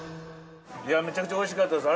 めちゃくちゃ美味しかったです。